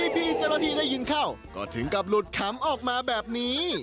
พี่เจ้าหน้าที่ได้ยินเข้าก็ถึงกับหลุดขำออกมาแบบนี้